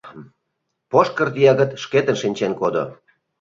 Пошкырт йыгыт шкетын шинчен кодо.